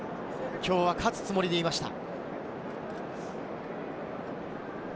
今日は勝つつもりでいました。